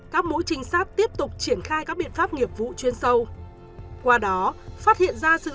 các mũi trinh sát tiếp tục triển khai các biện pháp nghiệp vụ chuyên sâu qua đó phát hiện ra sự